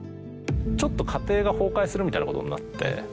ちょっと家庭が崩壊するみたいなことになって。